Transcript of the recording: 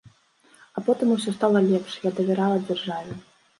А потым усё стала лепш, я давярала дзяржаве.